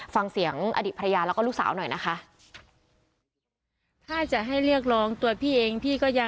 ฟังเสียงอดีตภรรยาแล้วก็ลูกสาวหน่อยนะคะ